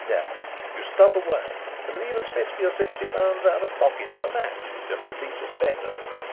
No, you stop away, and leave us fifty or sixty pound out of pocket on a match, just to teach us better!